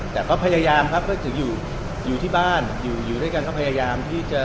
แต่เค้าพยายามครับว่าจะอยู่ด้วยกันที่บ้าน